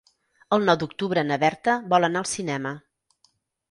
El nou d'octubre na Berta vol anar al cinema.